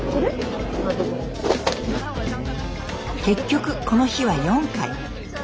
結局この日は４回。